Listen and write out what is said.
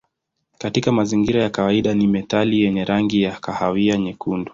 Katika mazingira ya kawaida ni metali yenye rangi ya kahawia nyekundu.